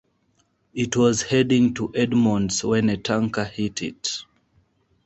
It was heading to Edmonds when a tanker hit it.